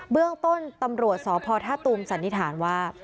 เรื่องต้นตำรวจสพท่าตูมสันนิษฐานว่า